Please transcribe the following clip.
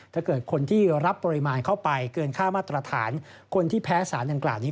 ถ้าเกิดคนที่รับปริมาณเข้าไปเกินค่ามาตรฐานคนที่แพ้สารดังกล่าวนี้